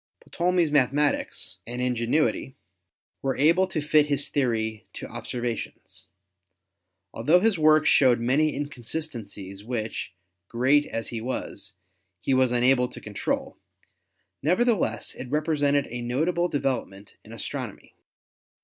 Ptolemy's mathematics and ingenuity were able to fit his theory to observations. Altho his work showed many inconsistencies which, great as he was, he was unable to control, nevertheless it represented a notable de velopment in astronomy.